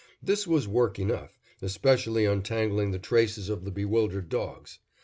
This was work enough, especially untangling the traces of the bewildered dogs.